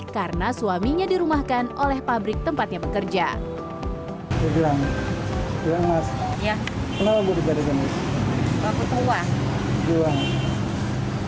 karena suaminya dirumahkan oleh pabrik tempatnya pekerja bilang bilang mas ya kenapa bergaduh